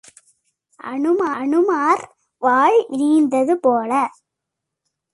அனுமார் வால் நீண்டது போல.